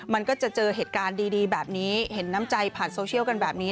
มันก็จะเจอเหตุการณ์ดีแบบนี้เห็นน้ำใจผ่านโซเชียลกันแบบนี้